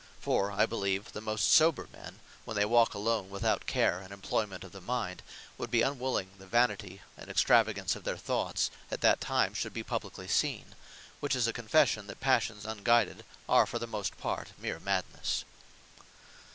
For, (I believe) the most sober men, when they walk alone without care and employment of the mind, would be unwilling the vanity and Extravagance of their thoughts at that time should be publiquely seen: which is a confession, that Passions unguided, are for the most part meere Madnesse.